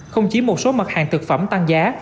không chỉ một số mặt hàng thực phẩm tăng giá